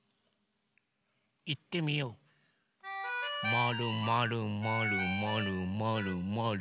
まるまるまるまるまるまる。